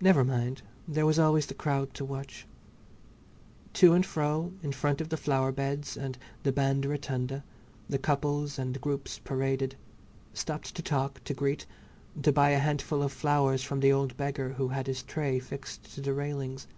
Never mind, there was always the crowd to watch. To and fro, in front of the flower beds and the band rotunda, the couples and groups paraded, stopped to talk, to greet, to buy a handful of flowers from the old beggar who had his tray fixed to the railings.